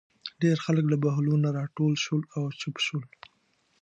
ډېر خلک له بهلول نه راټول شول او چوپ شول.